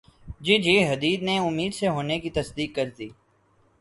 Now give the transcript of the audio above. جی جی Hadid نے امید سے ہونے کی تصدیق کردی